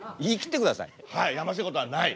「やましいことはない」。